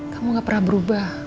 kamu enggak pernah berubah